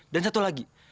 dan satu lagi